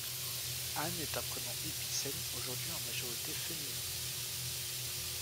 Anne est un prénom épicène aujourd'hui en majorité féminin.